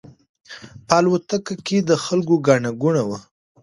په الوتکه کې د خلکو ګڼه ګوڼه وه.